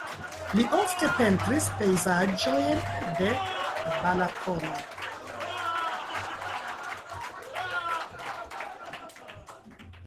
Li ofte pentris pejzaĝojn de Balatono.